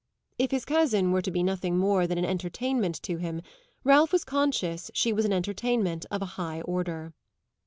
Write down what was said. If his cousin were to be nothing more than an entertainment to him, Ralph was conscious she was an entertainment of a high order.